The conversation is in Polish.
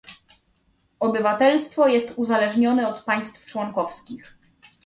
Obywatelstwo jest uzależnione od państw członkowskich